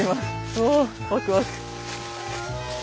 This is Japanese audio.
うおワクワク。